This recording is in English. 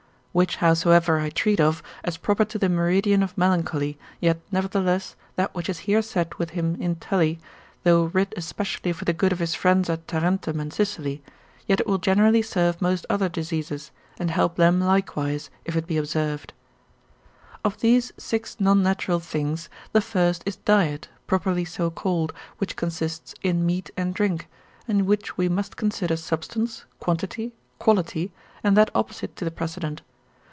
Which howsoever I treat of, as proper to the meridian of melancholy, yet nevertheless, that which is here said with him in Tully, though writ especially for the good of his friends at Tarentum and Sicily, yet it will generally serve most other diseases, and help them likewise, if it be observed. Of these six non natural things, the first is diet, properly so called, which consists in meat and drink, in which we must consider substance, quantity, quality, and that opposite to the precedent.